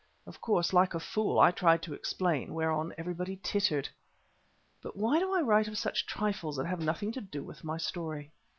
Of course, like a fool, I tried to explain, whereon everybody tittered. But why do I write of such trifles that have nothing to do with my story?